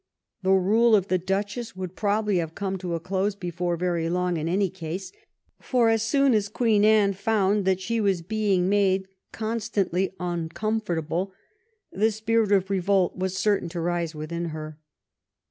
The rule of the Duchess would probably have come to a close before very long, in any case; for as soon as Queen Anne found that she was being made constantly uncomfortable, the spirit of revolt was certain to rise within her.